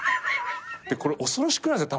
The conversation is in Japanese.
これ恐ろしくなるんすよ